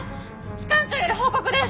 機関長より報告です。